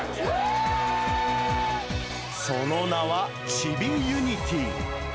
その名は、チビユニティー。